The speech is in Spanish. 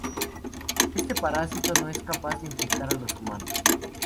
Este parásito no es capaz de infectar a los humanos.